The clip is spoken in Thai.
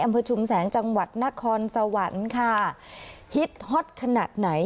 ชุมแสงจังหวัดนครสวรรค์ค่ะฮิตฮอตขนาดไหน